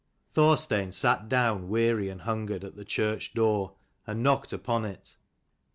Thorstein sat down weary and hungered at the church door, and knocked upon it.